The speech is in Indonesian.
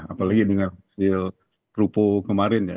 apalagi dengan hasil krupo kemarin ya